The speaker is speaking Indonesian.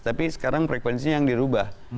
tapi sekarang frekuensinya yang dirubah